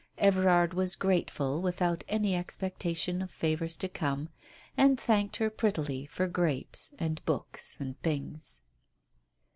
Everard was grateful without any expectation of favours to come, and thanked her prettily for grapes and books and things.